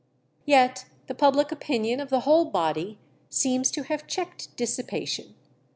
Yet the public opinion of the whole body seems to have checked dissipation.